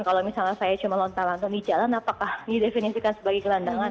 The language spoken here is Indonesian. kalau misalnya saya cuma lonta lontong di jalan apakah didefinisikan sebagai gelandangan